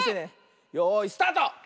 よいスタート！